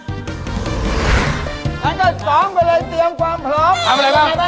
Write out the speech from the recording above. เราก็สองไปเลยเตรียมความพร้อม